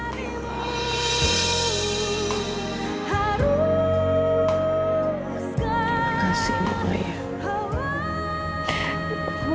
terima kasih nita paya